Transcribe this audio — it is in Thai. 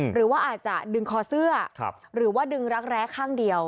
หรือว่าอาจจะดึงคอเสื้อหรือว่าดึงรักแร้ข้างเดียว